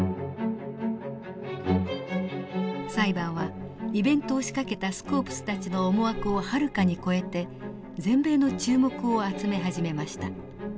裁判はイベントを仕掛けたスコープスたちの思惑をはるかに超えて全米の注目を集め始めました。